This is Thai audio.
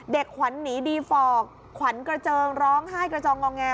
ขวัญหนีดีฟอร์กขวัญกระเจิงร้องไห้กระจองงอแง